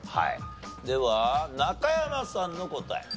では中山さんの答え。